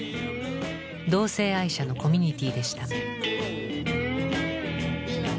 同性愛者のコミュニティーでした。